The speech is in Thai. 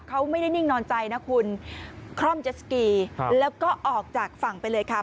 เขาไม่ได้นิ่งนอนใจนะคุณคล่อมเจสสกีแล้วก็ออกจากฝั่งไปเลยค่ะ